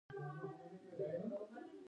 آیا موږ حساب ورکوو؟